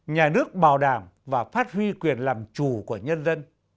nhà nước bảo đảm và phát huy quyền làm chủ của nhân dân